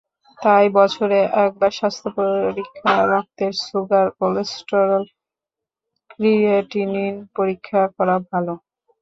তাই বছরে একবার স্বাস্থ্য পরীক্ষা, রক্তের সুগার, কোলেস্টেরল, ক্রিয়েটিনিন পরীক্ষা করা ভালো।